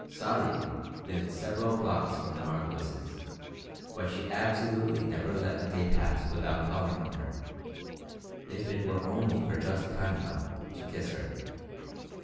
Sadie lived several blocks from the Margolises, but she absolutely never let a day pass without calling on her, if it were only for just time enough to kiss her.